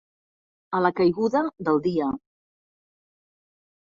A la caiguda del dia.